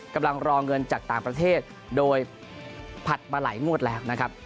กำลังรองเงินจากต่างประเทศโดยผลัดมาไหลงวดแหลก